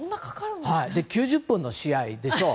９０分の試合でしょう。